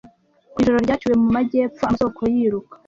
Ijoro ryaciwe mu majyepfo; amasoko yiruka,